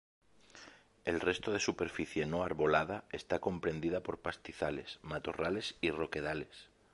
El resto de superficie no arbolada está comprendida por pastizales, matorrales y roquedales.